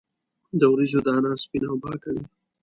د وریجو دانه سپینه او پاکه وي.